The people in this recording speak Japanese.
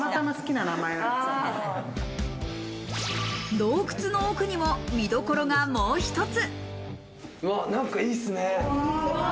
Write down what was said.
洞窟の奥にも見どころがもう一つ。